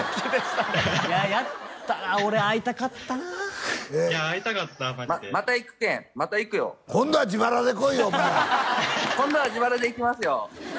いややったら俺会いたかったな会いたかったマジでまた行くけんまた行くよ今度は自腹で来いよお前ら今度は自腹で行きますよ